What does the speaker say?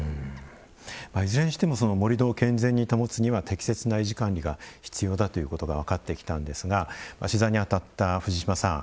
いずれにしても盛土を健全に保つためには適切な維持・管理が必要だということが分かってきたんですが取材に当たった藤島さん